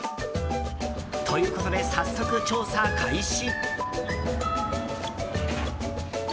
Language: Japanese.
ということで早速、調査開始！